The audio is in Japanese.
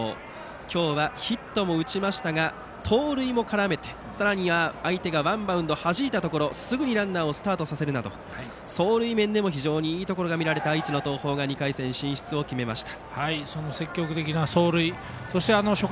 今日はヒットも打ちましたが盗塁も絡めて、さらには相手がワンバウンドをはじいたところですぐにランナーをスタートさせるなど走塁面でも非常にいいところが見られた愛知の東邦２回戦へ進出となりました。